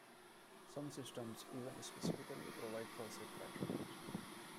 Some systems even specifically provide for such patronage.